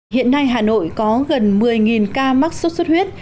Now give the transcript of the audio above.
hiện nay hà nội có gần một mươi ca mắc sốt xuất huyết